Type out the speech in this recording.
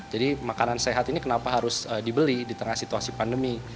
jadi makanan sehat ini kenapa harus dibeli di tengah situasi pandemi